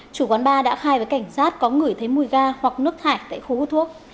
chủ quán bar đã khai với cảnh sát có ngửi thấy mùi ga hoặc nước thải tại khu hút thuốc